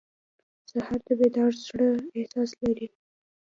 سهار د بیدار زړه احساس دی.